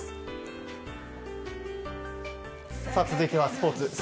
続いてはスポーツ。